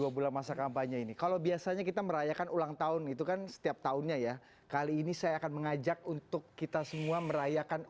bukan narasi yang menakut nakuti bukan politik berenduwo yang menebarkan ketakutan